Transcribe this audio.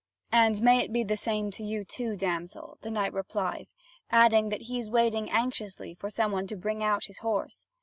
"And may it be the same to you, damsel," the knight replies, adding that he is waiting anxiously for some one to bring out his horse.